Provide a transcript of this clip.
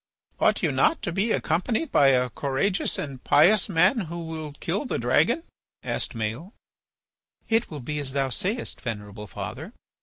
"Ought you not to be accompanied by a courageous and pious man who will kill the dragon?" asked Maël. "It will be as thou sayest, venerable father.